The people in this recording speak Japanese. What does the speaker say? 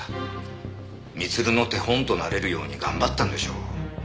光留の手本となれるように頑張ったんでしょう。